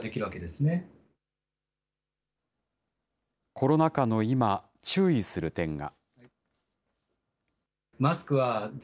コロナ禍の今、注意する点が。